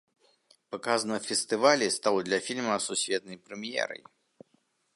Паказ на фестывалі стаў для фільма сусветнай прэм'ерай.